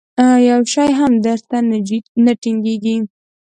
یو شی هم در ته نه ټینګېږي.